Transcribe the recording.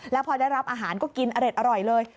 แล้วพอได้รับอาหารก็กินอร่อยเลย